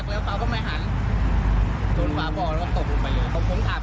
คนโบกเรียกแล้วเขาก็ไม่หันจนฟ้าบอกว่าเขาตกลงไปเลย